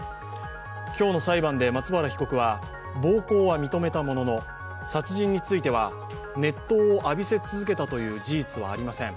今日の裁判で、松原被告は暴行は認めたものの殺人については熱湯を浴びせ続けたという事実はありません